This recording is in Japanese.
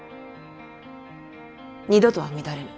二度とは乱れぬ。